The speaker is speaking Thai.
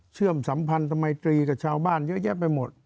สัมพันธมัยตรีกับชาวบ้านเยอะแยะไปหมด